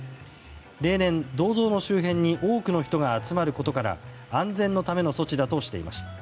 例年、銅像の周辺に多くの人が集まることから安全のための措置だとしています。